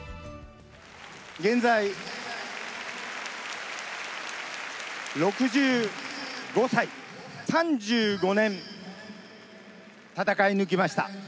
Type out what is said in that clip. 現在６５歳、３５年戦い抜きました。